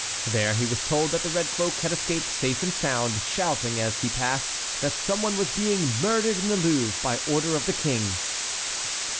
There he was told that the red cloak had escaped safe and sound, shouting out as he passed that some one was being murdered in the Louvre by order of the King.